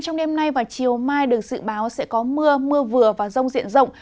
trong đêm nay và chiều mai được dự báo sẽ có mưa mưa vừa và rông diện rộng